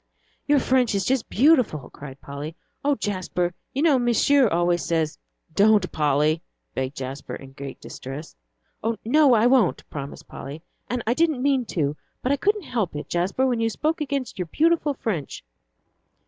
"Your French is just beautiful," cried Polly. "Oh, Jasper, you know Monsieur always says " "Don't, Polly," begged Jasper, in great distress. "No, I won't," promised Polly, "and I didn't mean to. But I couldn't help it, Jasper, when you spoke against your beautiful French."